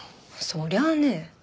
そりゃあねえ。